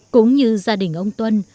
cũng như gia đình ông tuân